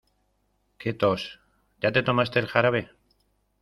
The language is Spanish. Qué tos, ¿ya te tomaste el jarabe?